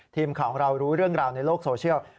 ทีมข่าวของเรารู้เรื่องราวในโลกโซเชียล